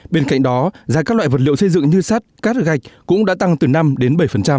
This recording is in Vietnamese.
bên cạnh đó giá các loại vật liệu xây dựng như sắt cát gạch cũng đã tăng từ năm đến bảy